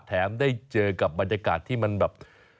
ได้เจอกับบรรยากาศที่มันแบบ